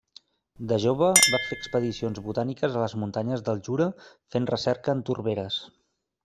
De jove va fer expedicions botàniques a les Muntanyes del Jura fent recerca en torberes.